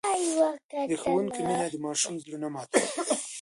د ښوونکي مینه د ماشوم زړه نه ماتوي.